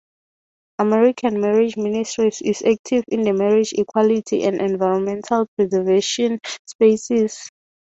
American Marriage Ministries is active in the marriage equality and environmental preservation spaces.